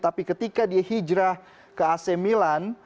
tapi ketika dia hijrah ke ac milan